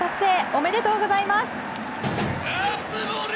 おめでとうございます！